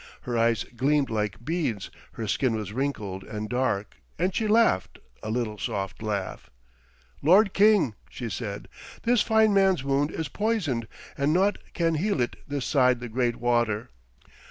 Her eyes gleamed like beads, her skin was wrinkled and dark, and she laughed a little soft laugh. 'Lord king,' she said, 'this fine man's wound is poisoned, and naught can heal it this side the great water.